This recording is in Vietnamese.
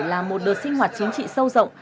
là một đợt sinh hoạt chính trị sâu rộng